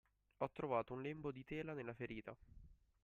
Ho trovato un lembo di tela nella ferita.